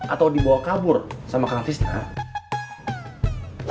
atau dibawa kabur sama kang tisnak